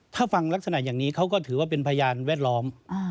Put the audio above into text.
ถ้าฟังลักษณะอย่างนี้เขาก็ถือว่าเป็นพยานแวดล้อม